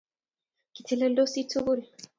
Kiteleldosi tugul